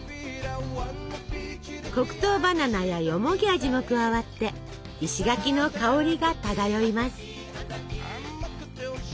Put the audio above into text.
黒糖バナナやよもぎ味も加わって石垣の香りが漂います。